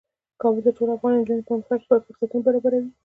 کابل د ټولو افغان نجونو د پرمختګ لپاره فرصتونه برابروي.